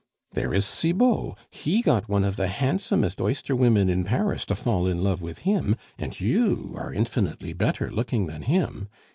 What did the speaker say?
There is Cibot, he got one of the handsomest oyster women in Paris to fall in love with him, and you are infinitely better looking than him!